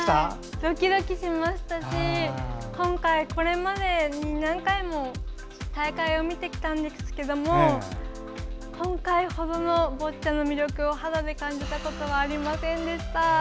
ドキドキしましたしこれまで何回も大会を見てきたんですが今回ほど、ボッチャの魅力を肌で感じたことはありませんでした。